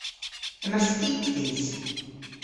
Yma skit dhis.